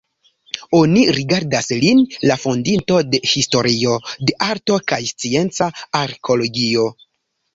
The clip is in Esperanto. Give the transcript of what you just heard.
Oni rigardas lin la fondinto de historio de arto kaj scienca arkeologio.